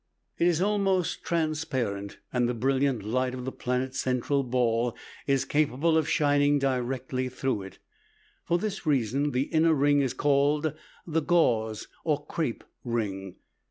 It is almost transparent, and the brilliant light of the planet's central ball is capable of shining directly through it. For this reason the inner ring is called the "gauze" or "crape" ring.